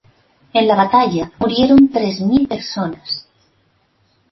En la batalla murieron tres mil personas.